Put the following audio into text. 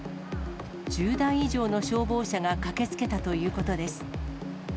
１０台以上の消防車が駆けつけたということです。